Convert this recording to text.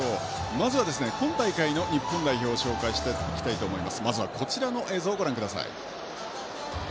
まずは今大会の日本代表を紹介していきます。